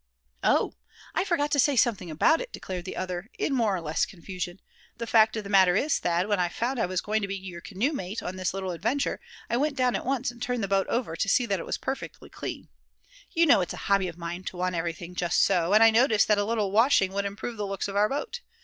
"Oh! I forgot to say anything about it," declared the other, in more or less confusion; "the fact of the matter is, Thad, when I found I was going to be your canoemate on this little adventure, I went down at once and turned the boat over to see that it was perfectly clean. You know it's a hobby of mine to want everything just so; and I noticed that a little washing would improve the looks of our boat.